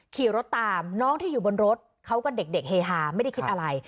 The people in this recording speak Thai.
ขี่รถตามน้องที่อยู่บนรถเขาก็เด็กเฮฮาไม่ได้คิดอะไร